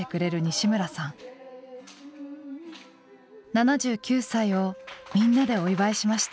７９歳をみんなでお祝いしました。